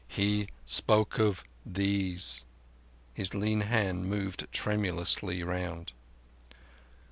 "He spoke of these." His lean hand moved tremulously round.